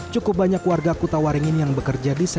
cukup banyak warga kutawaringin yang menjelang ini